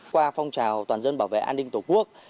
qua phong trào toàn dân bảo vệ an ninh tổ quốc